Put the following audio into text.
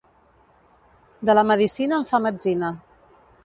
De la medicina en fa metzina.